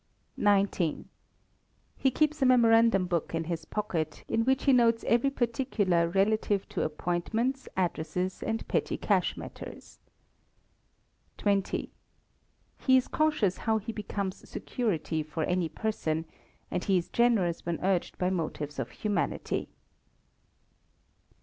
xix. He keeps a memorandum book in his pocket, in which he notes every particular relative to appointments, addresses, and petty cash matters. xx. He is cautious how he becomes security for any person; and is generous when urged by motives of humanity.